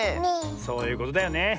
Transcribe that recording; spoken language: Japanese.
そういうことだよね。